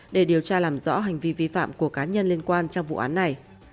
để điều tra làm rõ hành vi vi phạm của cá nhân liên quan trong vụ án này